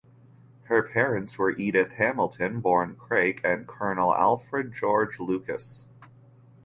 Her parents were Edith Hamilton (born Crake) and Colonel Alfred George Lucas.